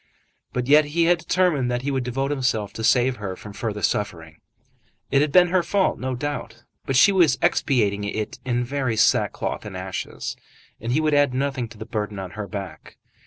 But yet he had determined that he would devote himself to save her from further suffering. It had been her fault, no doubt. But she was expiating it in very sackcloth and ashes, and he would add nothing to the burden on her back.